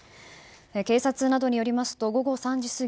警察などによりますと午後３時過ぎ